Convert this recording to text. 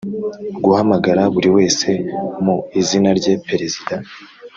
guhamagara buri wese mu izina rye Perezida